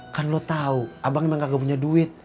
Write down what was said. kan lu tau abang emang gak punya duit